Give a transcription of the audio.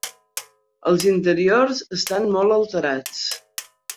Els interiors estan molt alterats.